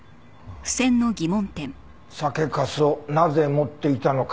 酒粕をなぜ持っていたのか？